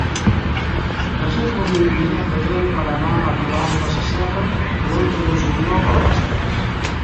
Reserva'm un bitllet de tren per anar a Vilalba Sasserra l'onze de juliol a les tres.